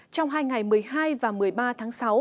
trong hai ngày một mươi hai và một mươi ba tháng sáu